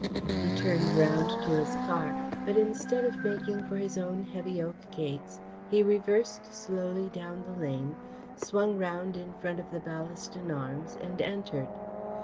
He turned round to his car, but instead of making for his own heavy oak gates, he reversed slowly down the lane, swung round in front of the Ballaston Arms and entered.